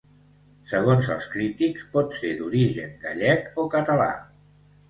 Segons els crítics pot ser d'origen gallec o català.